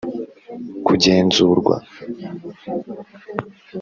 kugenzurwa